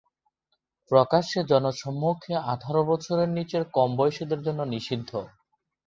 প্রকাশ্যে জনসম্মুখে আঠারো বছরের নিচের কম বয়সীদের জন্য নিষিদ্ধ।